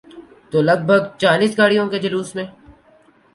تو لگ بھگ چالیس گاڑیوں کے جلوس میں۔